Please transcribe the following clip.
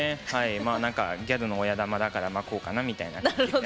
まあ何かギャルの親玉だからこうかなみたいな感じで。